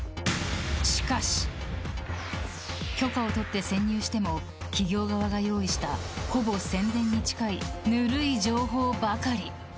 しかし、許可を取って潜入しても企業側が用意したほぼ宣伝に近いぬるい情報ばかり。